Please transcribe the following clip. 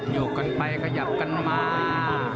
โยกกันไปขยับกันมา